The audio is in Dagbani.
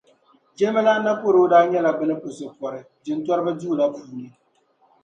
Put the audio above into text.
Jilimalana Napodoo daa nyɛla bɛ ni pɔ so pɔri jintɔriba duu la puuni